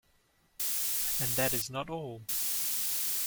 And that is not all.